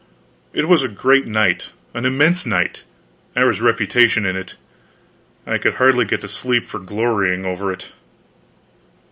It was a great night, an immense night. There was reputation in it. I could hardly get to sleep for glorying over it.